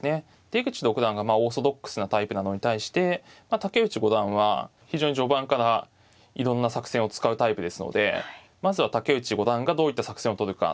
出口六段がオーソドックスなタイプなのに対して竹内五段は非常に序盤からいろんな作戦を使うタイプですのでまずは竹内五段がどういった作戦をとるか。